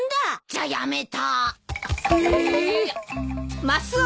じゃあやめた。